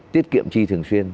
tiết kiệm chi thường xuyên